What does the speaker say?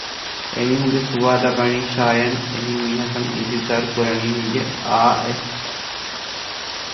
އެމީހުންގެ ސުވާލަކަށް ވަނީ ޝާޔަން އެހެން މީހަކަށް އިންތިޒާރު ކުރަނީ ހެއްޔެވެ؟ އާއެއް